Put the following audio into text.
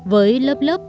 với lớp lớp